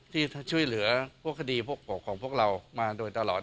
ที่ช่วยเหลือพวกคดีพวกของพวกเรามาโดยตลอด